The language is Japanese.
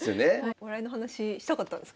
お笑いの話したかったんですか？